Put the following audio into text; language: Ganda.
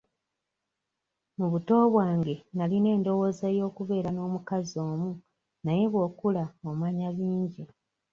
Mu buto bwange nalina endowooza y'okubeera n'omukazi omu naye bw'okula omanya bingi.